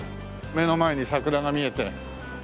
目の前に桜が見えて。